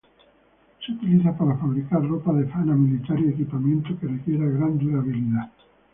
Se utiliza para fabricar ropa de faena militar y equipamiento que requiera gran durabilidad.